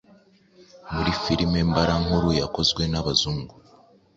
Muri filime mbarankuru yakozwe na bazungu